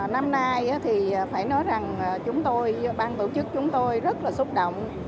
năm nay thì phải nói rằng chúng tôi ban tổ chức chúng tôi rất là xúc động